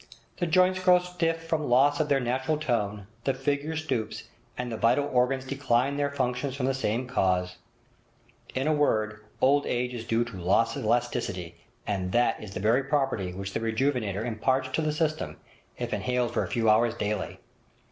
'The joints grow stiff from loss of their natural tone, the figure stoops, and the vital organs decline their functions from the same cause. In a word, old age is due to a loss of elasticity, and that is the very property which the "Rejuvenator" imparts to the system, if inhaled for a few hours daily.'